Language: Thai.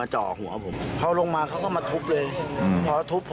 ใช่ครับ